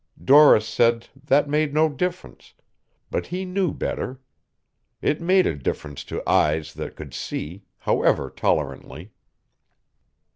Doris said that made no difference, but he knew better. It made a difference to eyes that could see, however tolerantly.